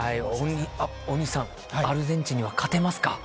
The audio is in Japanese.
大西さん、アルゼンチンには勝てますか？